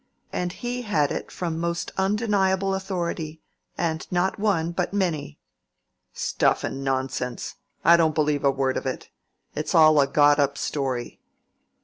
And he had it from most undeniable authority, and not one, but many." "Stuff and nonsense! I don't believe a word of it. It's all a got up story.